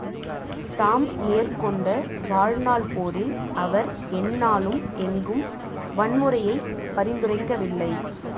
தாம் மேற்கொண்ட வாழ்நாள் போரில் அவர் எந்நாளும் எங்கும் வன்முறையைப் பரிந்துரைக்கவில்லை.